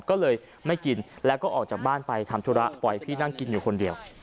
ก็เลยไม่กินแล้วก็ออกจากบ้านไปทำธุระปล่อยพี่นั่งกินอยู่คนเดียว